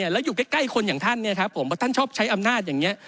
แล้วอยู่ใกล้คนอย่างท่านว่าท่านชอบใช้อำนาจอย่างนี้